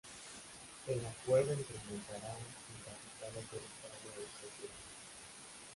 El acuerdo incrementará el capital autorizado de la sociedad.